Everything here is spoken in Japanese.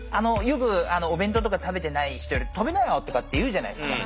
よくお弁当とか食べてない人に「食べなよ」とかって言うじゃないですか。